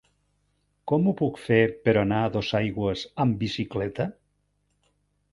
Com ho puc fer per anar a Dosaigües amb bicicleta?